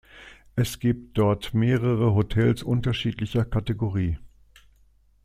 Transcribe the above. Es gibt dort mehrere Hotels unterschiedlicher Kategorie.